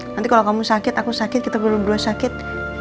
nanti kalau kamu sakit aku sakit kita berdua sakit